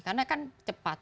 karena kan cepat